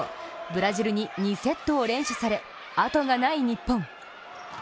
ブラジルに２セットを連取されあとがない日本。